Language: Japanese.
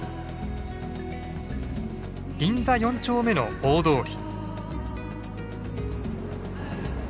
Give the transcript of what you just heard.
銀座４丁目の大通り。